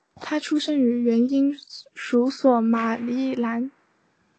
出生于原英属索马利兰。